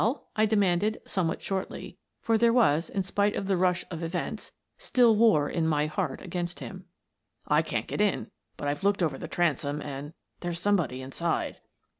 I demanded, somewhat shortly, for there was, in spite of the rush of events, still war in my heart against him, " I can't get in, but I've looked over the transom and — there's somebody inside."